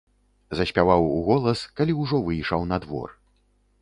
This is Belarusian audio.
Заспяваў уголас, калі ўжо выйшаў на двор.